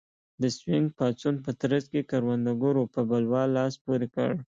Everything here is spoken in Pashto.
د سوینګ پاڅون په ترڅ کې کروندګرو په بلوا لاس پورې کړ.